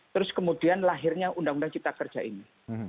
terus kemudian lahirnya undang undang cipta kerja ini